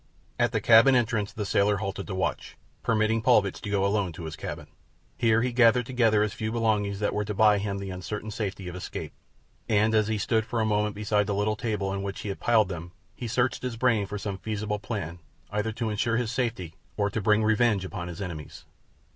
At the cabin entrance the sailor halted to watch, permitting Paulvitch to go alone to his cabin. Here he gathered together his few belongings that were to buy him the uncertain safety of escape, and as he stood for a moment beside the little table on which he had piled them he searched his brain for some feasible plan either to ensure his safety or to bring revenge upon his enemies.